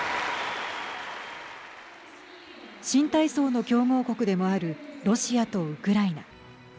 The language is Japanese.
新体操の強豪国でもあるロシアとウクライナ。